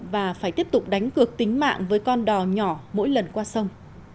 và phải tiếp tục đánh cược tính mạng với con đò nhỏ mỗi lần qua sông